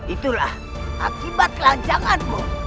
itulah akibat kelancanganmu